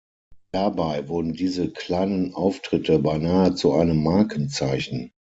Dabei wurden diese „kleinen Auftritte“ beinahe zu einem Markenzeichen.